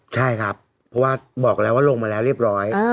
ใช่ครับเพราะว่าบอกแล้วว่าลงมาแล้วเรียบร้อย